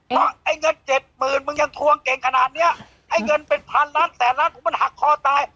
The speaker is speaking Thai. เพราะไอ้เงินเจ็ดหมื่นมึงยังทวงเก่งขนาดเนี้ยไอ้เงินเป็นพันล้านแสนล้านของมันหักคอตาย